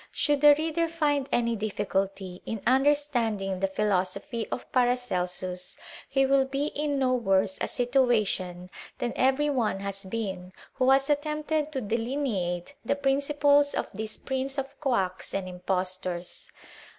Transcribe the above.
Should the reader find any difficulty in understanding the philosophy of Para celsus, he will be in no worse a situation than every on< has been who has attempted to delineate the opiniom of this most extraordinary man, this prince of quack and impostors.